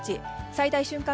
最大瞬間